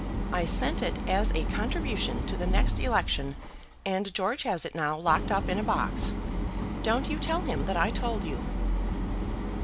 I sent it as a contribution to the next election and George has it now locked up in a box. Don't you tell him that I told you."